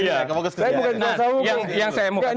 saya bukan kuasa hukum yang saya mau katakan